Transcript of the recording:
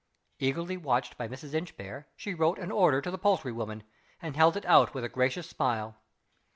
Eagerly watched by Mrs. Inchbare, she wrote an order to the poultry woman, and held it out with a gracious smile.